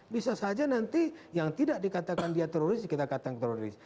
bisa saja nanti yang tidak dikatakan dia teroris kita katakan teroris